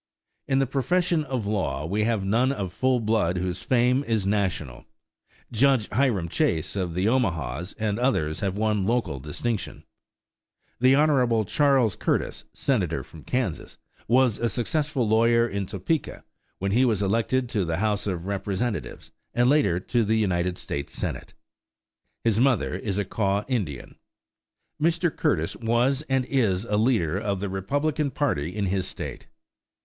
In the profession of law we have none of full blood whose fame is national. Judge Hiram Chase of the Omahas and others have won local distinction. The Hon. Charles Curtis, Senator from Kansas, was a successful lawyer in Topeka when he was elected to the House of Representatives, and later to the United States Senate. His mother is a Kaw Indian. Mr. Curtis was and is a leader of the Republican party in his state.